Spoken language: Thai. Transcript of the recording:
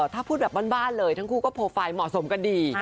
ถ้าพูดแบบบ้านเลยทั้งคู่ก็โปรไฟล์เหมาะสมกันดี